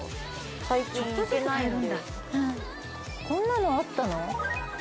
こんなのあったの？